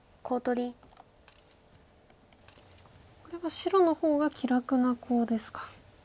これは白の方が気楽なコウですか。